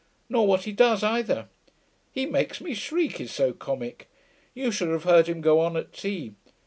Nor what he does, either. He makes me shriek, he's so comic. You should have heard him go on at tea.